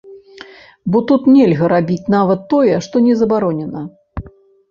Бо тут нельга рабіць нават тое, што не забаронена.